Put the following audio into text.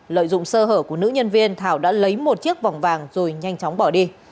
lợi dụng sơ hở của nữ nhân viên thảo đã lấy một chiếc vòng vàng rồi nhanh chóng bỏ đi